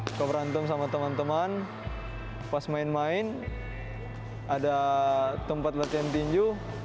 suka berantem sama teman teman pas main main ada tempat latihan tinju